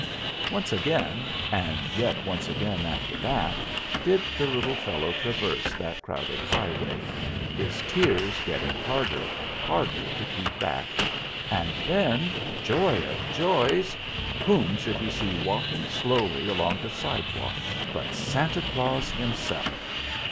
Once again, and yet once again after that, did the little fellow traverse that crowded highway, his tears getting harder and harder to keep back, and then joy of joys whom should he see walking slowly along the sidewalk but Santa Claus himself!